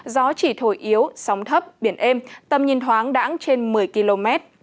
gió chỉ thổi yếu sóng thấp biển êm tầm nhìn thoáng đãng trên một mươi km